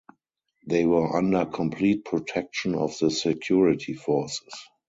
They were under complete protection of the security forces.